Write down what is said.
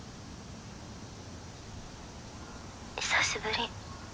久しぶり。